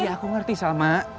iya aku ngerti salma